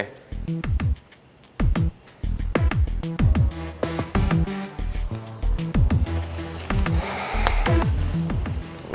loket dimana ya